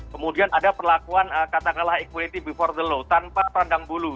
kemudian ada perlakuan katakanlah equality before the law tanpa pandang bulu